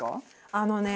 あのね